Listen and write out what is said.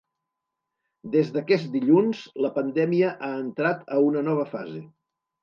Des d’aquest dilluns la pandèmia ha entrar a una nova fase.